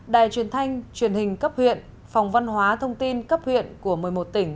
đài truyền thanh truyền hình cấp huyện phòng văn hóa thông tin cấp huyện của một mươi một tỉnh